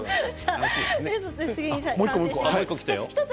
もう１個きたよ。